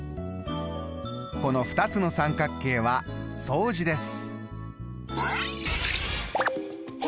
この２つの三角形は相似です。